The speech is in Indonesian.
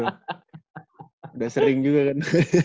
udah sering juga kan